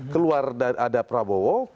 keluar ada prabowo